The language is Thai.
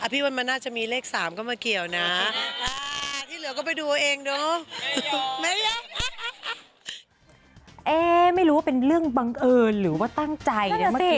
พี่เอดก็สามพี่หมายก็สามยังไง